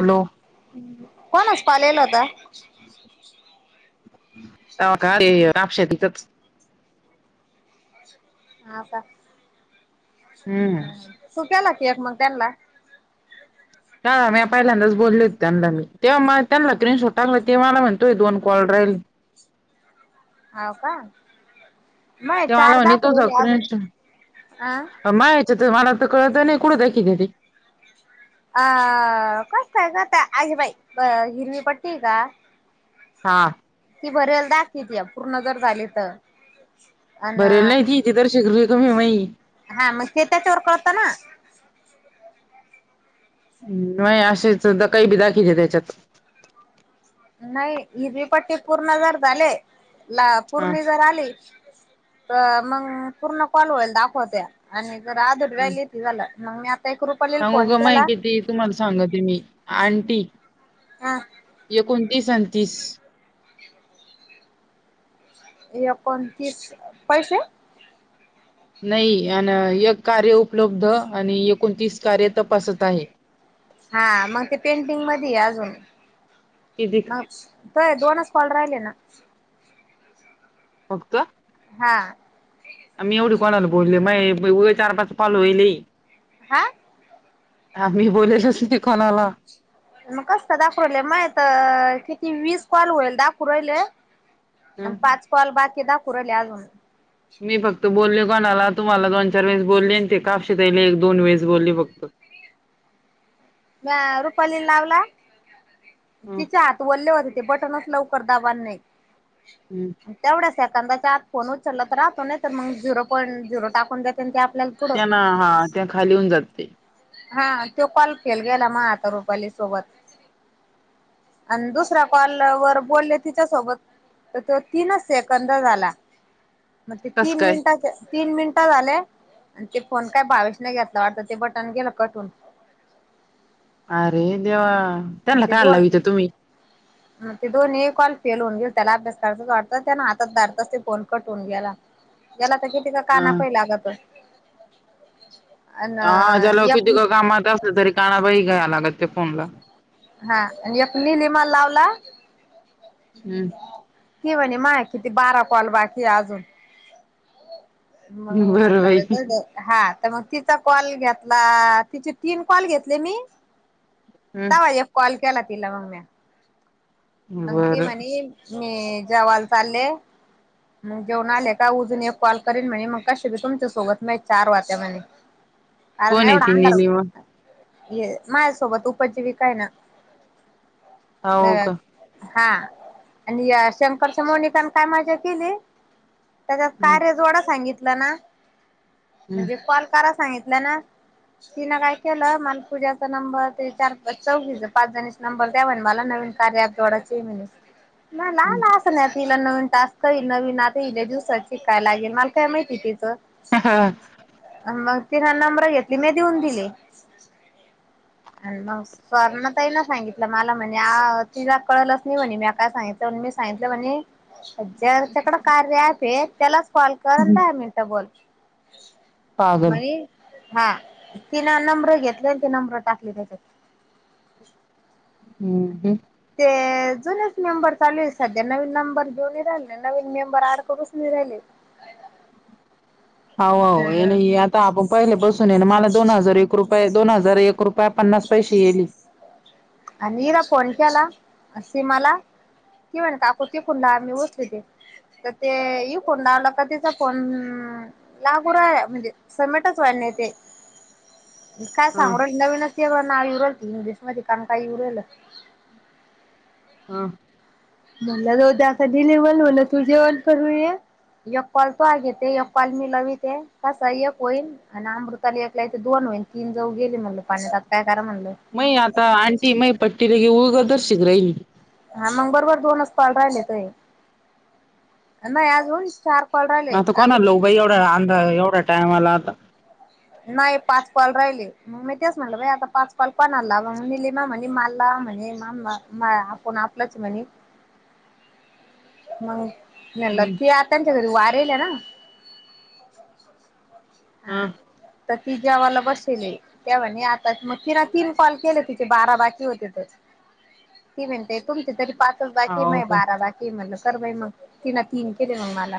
Hello! कोणाचा call येला होता? [unintelligible] का ते राक्ष [unintelligible] हाव का? हम्म तू केला की एक मग त्यांना. हा मी पहिल्यांदाच बोलले होते त्यांना मी, तेव्हा म त्यांना क्रीनशूट टाकला तेव्हा मला म्हणतोय दोन कॉल राहील. हो का? मय ते मला चार म्हणे दाखवु राहायले अजून अ अ मा याच्या तर मला तर कळत नाही कुठं दाखीतेती. अ कस काय ग आतां, आगे बाई हिरवी पट्टी का हा ती भरेला दाखवितया, पूर्ण जर झाली तर. अन भरेल नाही, ती ति तर रेश रिकामी मई हा म ते त्याच्यावर कळतं ना. नाही असे सुधा काही बी दाखीते त्याच्यात. नाही हिरवी पट्टी पूर्ण जर झाले, ला हा पूर्ण जर आली तर मग पूर्ण कॉल होईल दाखवत्या, आणि जर अधुरी राहिली की झालं, मग मी आता एक रु सांगू का माय किती, तुम्हाला सांगते मी, आंटी हा एकोणतीस अन तीस एकोणतीस पैसे नाही, आणि एक कार्य उपलब्ध आणि एकोणतीस कार्य तपासत आहे. हा, मग ते पेंडिंग मध्ये अजून, किती मग माझे दोनच कॉल राहिले ना. फक्त? हा आम्ही एवढे कोणाला बोलले, मा बई उग चार पाच कॉल होईले. हा आम्ही बोलेतच नाय कोणाला. मग कस काय दाखू राहिले? माए तर किती वीस कॉल होईल दाखु राहिले. अन पाच कॉल बाकी दाखवू राहिले अजून. मी फक्त बोलले कोणाला, तुम्हाला दोन चार वेळेस बोलले, अन ते कापशीताईला एक दोन वेळेस बोलले फक्त. म्या रुपाली लावला, तिच्या हात वल्ले होते ते बटनच लवकर दबान नाही. हम्म तेवढ्या सेकंदाच्या आत फोन उचलला तर राहतो, नाहीतर मग झिरो पॉईंट झिरो टाकून देतेन ते आपल्याला पुढं तेना हा त्या खाली होऊन जाते. हा, तो कॉल फेल गेला मा तर रुपाली सोबत. आणि दुसऱ्या कॉल वर बोलले तिच्यासोबत तर तो तीनच सेकंद झाला, मग ते कस तीन काय मिनिटाच्या तीन मिनिटं झाले, आणि ते फोन काय बावीस नाही घेतला वाटत ते बटन गेलं कट होऊन. अरे देवा! त्यांना ते काय दोन लावीत [inaudible] हा ते दोन ही कॉल फेल होऊ गेले, त्याला अभ्यास करायचा होता वाटतं त्यानं हातात धरताच ते फोन कट होऊन गेला. याला तर किती का काना पै लागातोय् हा ज्याला कितिका कामात असलं तरी कानाबाई घ्या लागत ते फोन ला. हा, आणि एक निलिमा लावला. हम्म क म्हणे मा किती बारा कॉल बाकी अजून हम बरं नला बाई वधड हा तर मग तिचा कॉल घेतला तिचे तीन कॉल घेतले मी त पाहिज कॉल केला तिला मग म्या नंगती बरं म्हणे मी जवाल चालले मग जेवण आले का उजून एक कॉल करीन म्हणे मग कशी तुमच्या सोबत म चार वात्या म्हणे कोण आहे ती निलीम ये माझ्यासोबत उपजीविकय ना हो का हा आणि शंकरच्या मोनिकने काय मजा केली त्याच्यात कार्य जोडा सांगितलं ना म्हणजे कॉल करा सांगितलं ना तिनं काय केलं मला पूजाचा नंबर ते चार चौकीच पाच जणी नंबर द्यावा मला नवीन कार्या जोडाचे मि नाही तिला नवीन टास्कहील नवीन आतईले दिवसात शिकायला लागेल मला काय माहिती तिचं हा मग ति ह नंबर घेतली मी देऊन दिली आणि मग स्वर्ण त ना सांगितलं मला म्हणजे आ तिला कळलच नाही म्हणे मी काय सांगितलं मी सांगितलं म्हणे ज त्याकडं कार्य आहे त्याला कॉल कर आणि दहा मिनट बोल पागल म्हज हा ति ना नंम्र घेतले आणि ती नंब्र टाकली त्याच्यात हम्म ह ते जुनच मेंबर चालू आहे सध्या नवीन नंबर घेऊन राहिले नवीन मेंबर आड करच नाही राहिले हो अ आता आपण पहिले बसून ये मला दोन हजार एक रुपये दोन हजार एक रुपया पन्नास पैसे येली आणिरा फोन केला सीमा ला की म्हणतको त खुनला आम्ही चली ते तर ते ये कोणी आला का तिचा फण लागू रा म्हणजे सबमेटच वाढणे ते काय हा सांगर नवीनच ते ब ना उरलते इंग्लिश मध्ये कारण काही उरल हा मलाोद डिलेवण म्हलं तू जेवण करूया यगपाल तो घेते यगपाल मी लवीिते कसा एकक होईल आणि अमृताली एकला इथे दोन होईन तीन जाऊ गेले म्हणल पाण्यातात काय करा म्हणलं मई आता आंटी मय पट्टी रगी उळग दर शग राहि म हा मग बरोबर दोनच पाल राहिले तय नाही आज हो स्टार आता कोणा लोई एवढा अंधा एवढा टायम आला आता नाही पाच कॉल राहिले मग मी तेच म्हटलं बा आता पाच पाल पण आला निलीमा म्हणे माला म्हणे आपण च म्हणे मग ल हम्म त आ त्यांच्या घरी वारेल ना. हा तर ती जेवाला बसेल तेव्हा आता मग तिला तीन कॉल केले तिचे बारा बाकी होते ते. ती म्हणते तुमची तरी पाच जाखे हाव नाही का बारा लागे ते म्हणलं तर बाई मग तिन तीन केले मग मला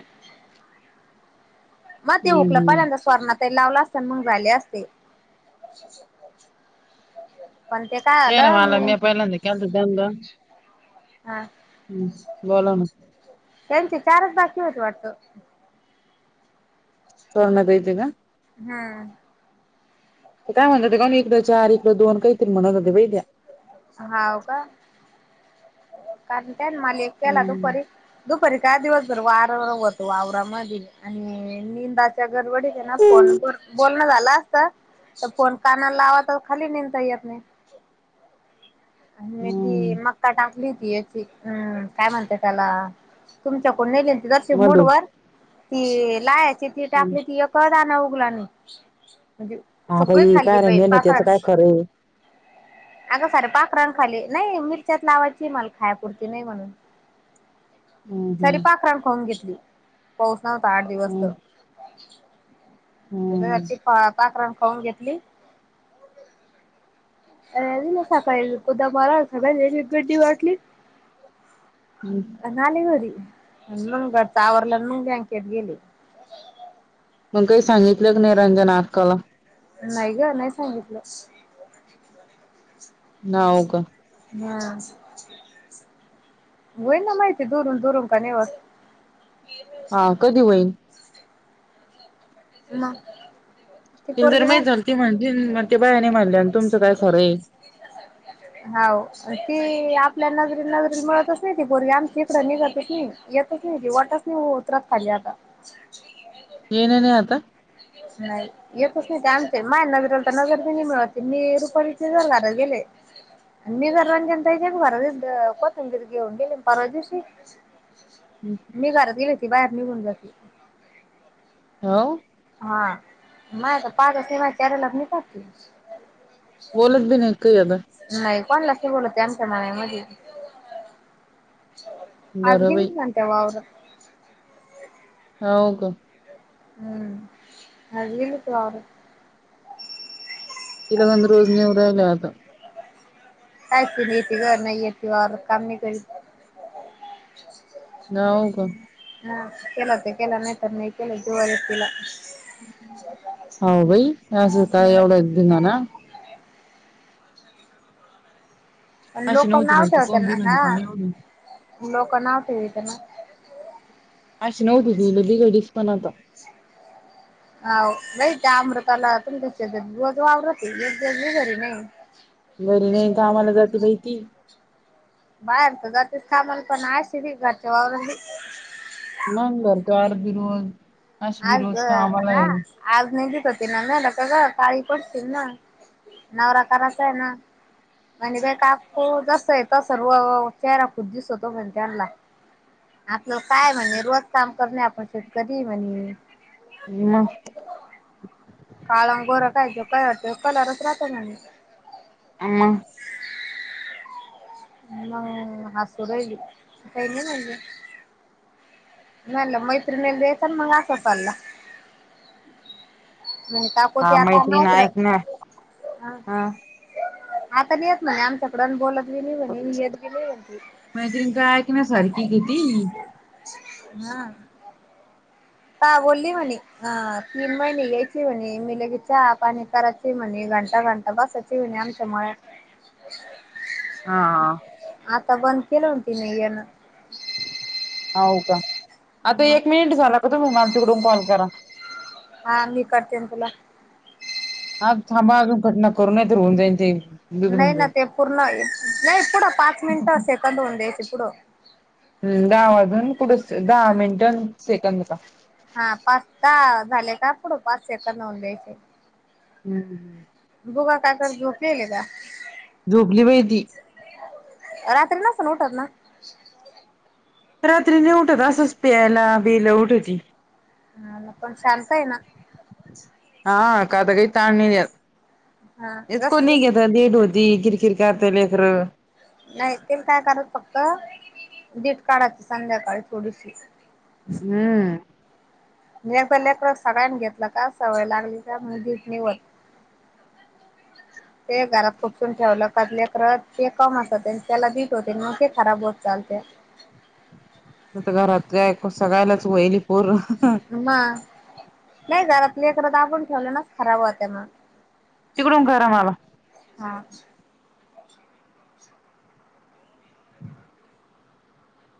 मध्ये होकला हम्म पहिलंद अस. स्र्णात लावला असत मग झाले असते पण ते काय आलं मग. केलत दंग हा हम् बोला ना. त्यांचे चारच बाग किवती वाटतं सोर्णमध्येयेत ना. हम्म काय म्हणतात का एकक चार एकक दोन काहीतरी म्हणत जात बै त्या्या हाव का कारण त्या मला एक केला हम्म तोपरी. दुपारी काय दिवस भर वार होत वावरामध्ये आणि निंदा गरडी ना फन ब झाला असत फोण काना लावा तर खाली नेता येत नाही आणि मी ती मक्का टाकली होती याची अम् काय म्हणते त्याला. तुमच्याकडून ने ज मुड मधू वर ती लायाची ती टाकली ती एक कदाना उगलाने म्हणजे हा सगळी बाई खाल्ली काय रे पा पाख मेहनतीच काय खरं आहे. अंग सरपा मकां खाली नाही मिरच्यात लावायची मला खायपुरती नाही म्हणून. हम्म हम्म सरी पाखराण खाऊन घेतली पोच नव्हता आठ दिवस तर हम्म ची पाखरण खाऊन घेतली. अ ना सकाळी उदा मला सगळ्यां गर्दी वाटली हम् न आली घरी अ टावरला बँकेत गेले मग काही सांगितलं क नाही रंजन आकाला. नाही ग नाही सांगितलं ना होग हा होई ना माहिती दुरून दुरून काव. हा कधी होईल ह तिला जर म झाल ती म्हणजे मग ते बायाने म्हणले आणि तुमचं काय खरं आहे. हा ती आपल्या नजरला नजर मिळतच नाही ती पूर्वी आम क रणींग जातच नाही येत कशी वाटच नाही उतरात खाली आता येनन आता नाही येतच नाही ते आमचे माय नजर आला तर नजर दे नाही मिळते मी रुपा ज घरात गेले. मर रंजन तज बरोबर कोथिंबीरघेऊंन गेल परावा दिवशी. हम्म मी घरात गेली होती बाहेर निघून जाते. हो हा माय पाच सिवाय कर लग नि पा बोलत बी नाही काही अता नाही कोणला अस बोलते आमच्या नाना म बरबई हो का हम्म हग म तर ए नंद रोज नेव राला आता ची नीती कर नाही य तर काम नाही कर हो का हा केलं ते केला नाहीतर नाही केलं जुवारी तिला हो भाई अस असं काय हम्म एवढं दिंग ना प अशी लोक नव्हती नाव बाई ती ठेव कोण त्यांना हा बिघडली कोण एवढी लोक नाव ठेवी त्यांना असशी न होत ल बीघ दिस पणता ह नाही त्या अमृताला तुमच्या शमृती यली घरी नाही घरी नाही का आम्हाला जात बाहिती बाहेर का गरतीच थांमाल पण आहे श घरच्या वावर मंग [unintelligible] आस्मि आज रोज कामाला हा ये. आज नाही देत होते ना गं नका गं काळी पडतील ना नवरा कराचा हाय ना आणि ते काकू जस आहे तस सर्व चेहरा खूप दिसतो पण त्यांना आपलं काय म्हणे रोज काम करण हाय आपण शेतकरीये म्हणी मं काळं नं गोरं कायच कलरचं त कलरच राहतो ना नी मंग मंग हसू राहिली पहिली म्हणली मी म्हणलं मैत्रिणी आणले चल मंग अस पला मंग ता होते हा आता आम्ही मैत्रीण ऑफडं ऐकणार हा आता नय येत म्हणे आमच्याकड बोलत बी नय म्हणे येत बी नाय म्हणती. मैत्रिणचा ऐकण्यासारखी की ग ती हा कां बोलली म्हणे हा तीन महिने यायचीय म्हणे मी लगेच चहा पाणी करायची म्हणे घंटा घंटा बसाय चय आमच्या मळ्यात हा आता बंद केलं म्हणती मी येन हाव का आता एक मिनिट झाला का तुम्ही मला तिकडून कॉल करा. हा मी करते न तुला थांब थांबा अजून कट नका करू नायतर होऊन जाईन ते बिघडून नाय ना ते पूर्ण नाही पुढं पाच मिनिटं सेकंद होऊन द्यायच पुढं हम्म दहा वाजून पुठ दहा मिनिट सेकंद का हा पाचता झाले का पुढं पाच सेकंद जाऊन द्यायचे. हूं हूं बुगा काय कर झोपेली का? झोपली बाई ती रात्री नसण उठत ना रात्री नय उठत असंच प्यायला बियला उठती. हा म पण शांत आहे ना. हा आता काय ताण नाही येत. हा हेच जस कोणी जस घेता देईत होती किरकिर करता लेकरं नाय पण काय कराच फक्त दीट काढाची संध्याकाळी थोडीशी हम्म म एकदा लेकरा सगळ्यांनी घेतला का सवय लागली का म दीट होत. ते घरात कुपसून ठेवलं कां लेकर ते कम होते त्याला दिट होते मंग ते खराब होत चालते. आता घरात काय सगळ्यालाच वयली पोर म नाही घरात लेकरं दाबून ठेवले नाच खराब होत्या मग तिकडून करा माला हा